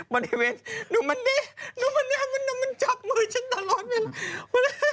บริเวณดูมันเนี่ยมันจับมือฉันตลอดไปแล้ว